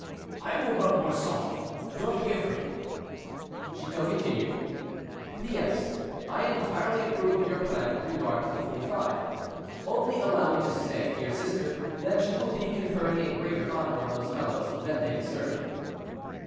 "I will rub more softly; don't be afraid." Chicot continued: "P.S.—I entirely approve of your plan with regard to the Forty five; only allow me to say, dear sister, that you will be conferring a greater honor on those fellows than they deserve."